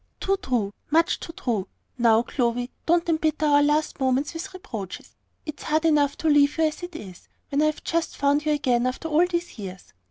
"Too true much too true. Now, Clovy, don't embitter our last moments with reproaches. It's hard enough to leave you as it is, when I've just found you again after all these years.